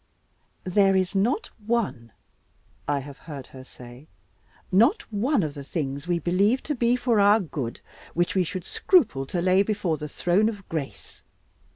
"There is not one" I have heard her say "not one of the things we believe to be for our good, which we should scruple to lay before the Throne of Grace.